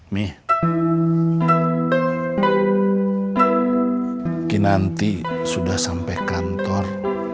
mi kinanti sudah sampai kantor